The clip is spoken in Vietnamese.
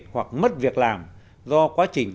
hoặc mất việc làm do quá trình